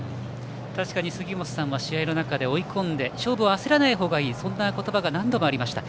確かに杉本さんは試合の中で追い込んで勝負を焦らないほうがいいそんな言葉が何度もありました。